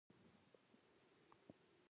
کڅوړه مې اوبو ته ور وغورځوله.